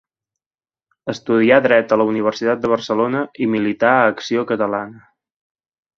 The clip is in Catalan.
Estudià dret a la Universitat de Barcelona i milità a Acció Catalana.